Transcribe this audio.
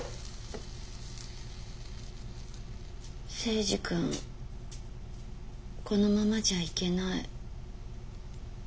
征二君このままじゃいけない。